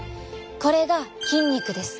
これが筋肉です。